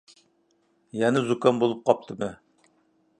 يەنە زۇكام بولۇپ قاپتىمەن.